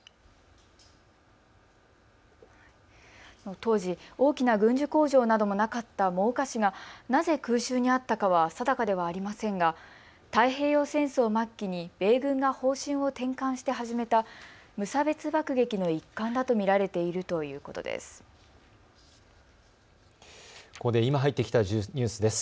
当時大きな軍需工場などもなかった真岡市が、なぜ空襲に遭ったかは定かではありませんが太平洋戦争末期に米軍が方針を転換して始めた無差別爆撃の一環だと見られているということです。